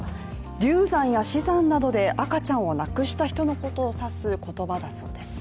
流産や死産などで赤ちゃんを亡くした人のことを指す言葉だそうです。